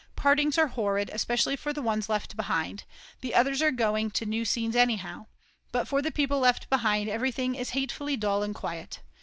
Partings are horrid, especially for the ones left behind; the others are going to new scenes anyhow. But for the people left behind everything is hatefully dull and quiet.